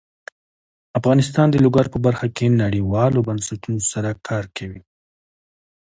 افغانستان د لوگر په برخه کې نړیوالو بنسټونو سره کار کوي.